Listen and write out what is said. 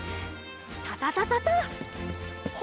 タタタタタッ！